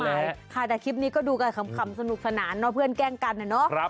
แต่คลิปนี้ก็ดูกันขำสนุกสนานเพื่อนแกล้งกันเนอะ